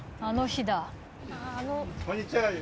あの日だ。